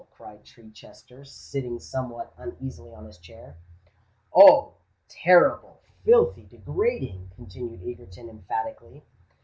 cried Chichester, sitting somewhat uneasily on his chair. "Oh! terrible—filthy, degrading," continued Egerton, emphatically.